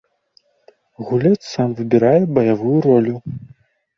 Гулец сам выбірае баявую ролю.